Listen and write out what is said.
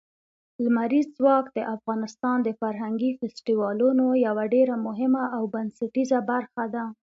لمریز ځواک د افغانستان د فرهنګي فستیوالونو یوه ډېره مهمه او بنسټیزه برخه ده.